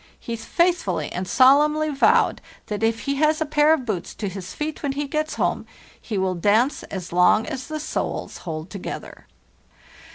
He faithfully and solemnly vowed that if he has a pair of boots to his feet when he gets home he will dance as long as the soles hold together.